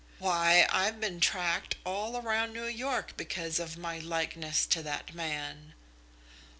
Why, I've been tracked all round New York because of my likeness to that man."